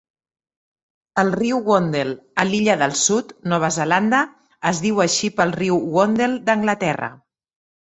El riu Wandle a l'Illa del Sud, Nova Zelanda, es diu així pel riu Wandle d'Anglaterra.